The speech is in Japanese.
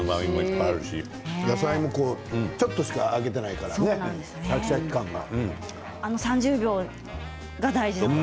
野菜も少ししか揚げていないからあの３０秒が大事なんですね。